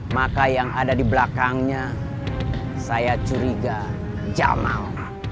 maka yang ada di belakangnya saya curiga jamal